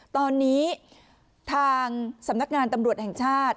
ตอนนี้ทางสำนักงานตำรวจแห่งชาติ